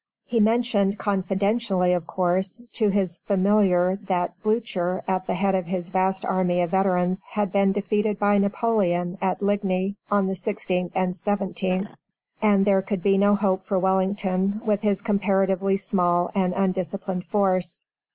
He mentioned, confidentially, of course, to his familiar that Blucher, at the head of his vast army of veterans, had been defeated by Napoleon, at Ligny, on the 16th and 17th, and there could be no hope for Wellington, with his comparatively small and undisciplined force.